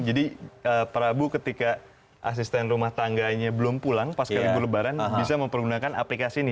prabu ketika asisten rumah tangganya belum pulang pas kelibur lebaran bisa mempergunakan aplikasi ini